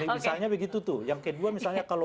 misalnya begitu tuh yang kedua misalnya kalau